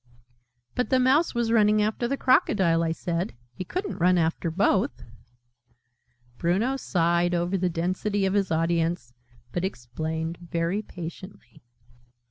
"But the Mouse was running after the Crocodile," I said: "he couldn't run after both!" Bruno sighed over the density of his audience, but explained very patiently.